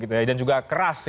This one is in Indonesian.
kedas dan juga keras